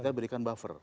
kita berikan buffer